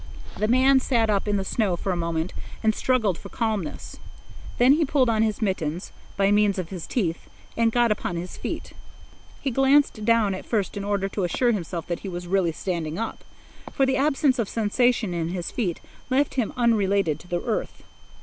The man sat up in the snow for a moment and struggled for calmness. Then he pulled on his mittens, by means of his teeth, and got upon his feet. He glanced down at first in order to assure himself that he was really standing up, for the absence of sensation in his feet left him unrelated to the earth.